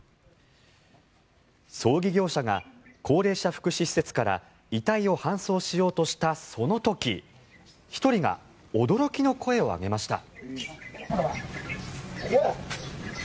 葬儀業者が高齢者福祉施設から遺体を搬送しようとしたその時１人が驚きの声を上げました。